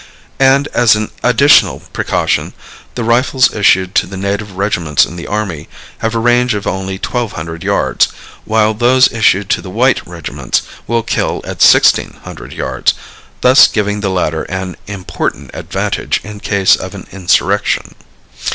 And as an additional precaution the rifles issued to the native regiments in the army have a range of only twelve hundred yards, while those issued to the white regiments will kill at sixteen hundred yards; thus giving the latter an important advantage in case of an insurrection.